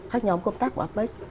các nhóm công tác của apec